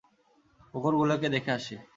কুকুরগুলোকে দেখে আসি।